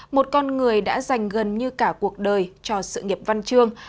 một con người đã dành gần như cả cuộc đời cho sự nghiệp văn chương